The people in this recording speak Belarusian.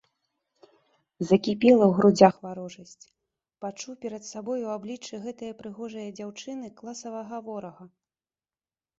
Закіпела ў грудзях варожасць, пачуў перад сабой у абліччы гэтае прыгожае дзяўчыны класавага ворага.